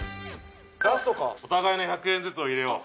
ラストかお互いの１００円ずつを入れよう